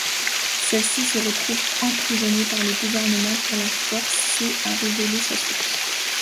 Celle-ci se retrouve emprisonnée par le gouvernement pour la forcer à révéler sa source.